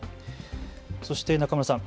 そして中村さん